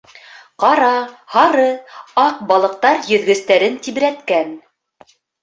Ҡара, һары, аҡ балыҡтар йөҙгөстәрен тибрәткән.